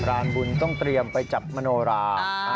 รานบุญต้องเตรียมไปจับมโนรา